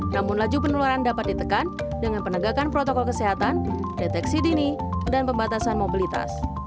namun laju penularan dapat ditekan dengan penegakan protokol kesehatan deteksi dini dan pembatasan mobilitas